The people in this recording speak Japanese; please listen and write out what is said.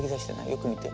よく見て。